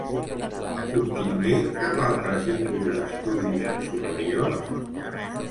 Obtingué cap altre títol d'estudis superiors?